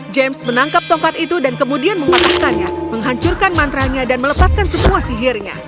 james menangkap tongkat itu dan kemudian mengumpulkannya menghancurkan mantranya dan melepaskan semua sihirnya